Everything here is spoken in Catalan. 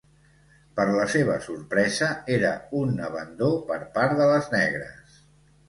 Per la seva sorpresa, era un abandó per part de les negres.